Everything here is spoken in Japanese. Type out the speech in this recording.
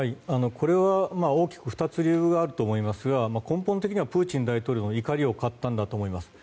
これは大きく２つ理由があると思いますが根本的にはプーチン大統領の怒りを買ったんだと思います。